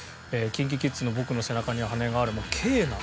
ＫｉｎＫｉＫｉｄｓの『ボクの背中には羽根がある』もケーナ。